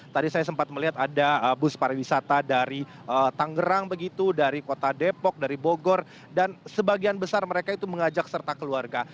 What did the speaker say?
tadi saya sempat melihat ada bus pariwisata dari tangerang begitu dari kota depok dari bogor dan sebagian besar mereka itu mengajak serta keluarga